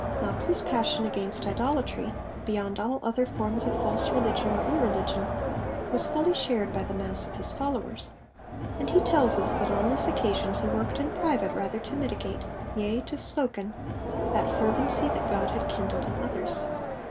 Knox's passion against 'idolatry,' beyond all other forms of false religion or irreligion, was fully shared by the mass of his followers, and he tells us that, on this occasion, he worked in private 'rather to mitigate, yea to sloken, that fervency that God had kindled in others.'